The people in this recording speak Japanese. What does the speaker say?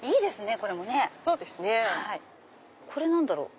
これ何だろう？